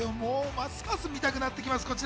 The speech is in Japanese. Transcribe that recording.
ますます見たくなってきます。